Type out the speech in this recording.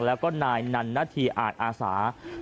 แล้วก็นายนันที่อาจอาสาภาระพลัง